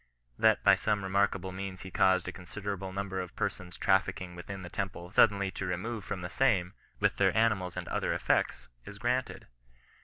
That by some remarkable means he caused a consider able number of persons traffickiug within the temple sud denly to remove from the same, with their animals and other effects, is granted.